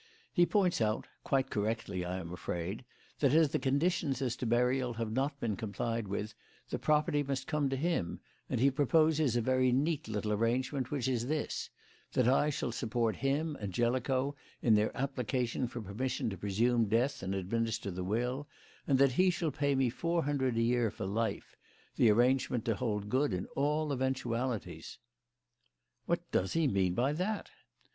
He points out quite correctly, I am afraid that as the conditions as to burial have not been complied with, the property must come to him, and he proposes a very neat little arrangement, which is this: That I shall support him and Jellicoe in their application for permission to presume death and administer the will, and that he shall pay me four hundred a year for life; the arrangement to hold good in all eventualities." "What does he mean by that?"